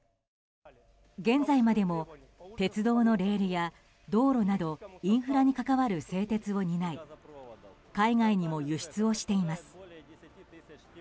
現在までも鉄道のレールや道路などインフラに関わる製鉄を担い海外にも輸出をしています。